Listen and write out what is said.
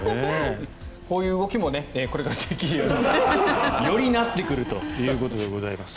こういう動きもこれからできるようによりなってくるということでございます。